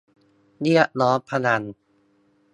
เรียกร้องพลัง